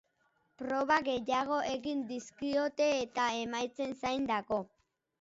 Proba gehiago egin dizkiote, eta emaitzen zain dago.